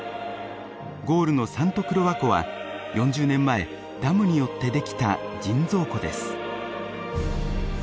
ゴールのサント・クロワ湖は４０年前ダムによって出来た人造湖です。